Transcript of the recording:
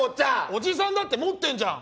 おじさんだって持ってんじゃん。